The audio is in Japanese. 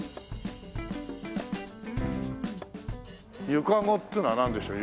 「湯かご」っていうのはなんでしょう？